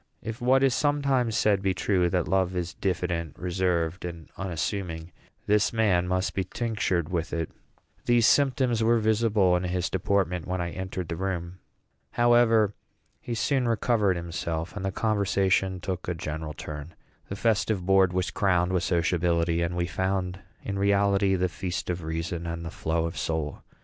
If what is sometimes said be true, that love is diffident, reserved, and unassuming, this man must be tinctured with it. These symptoms were visible in his deportment when I entered the room. However, he soon recovered himself, and the conversation took a general turn. The festive board was crowned with sociability, and we found in reality "the feast of reason and the flow of soul."